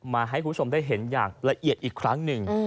มาให้คุณผู้ชมได้เห็นอย่างละเอียดอีกครั้งหนึ่ง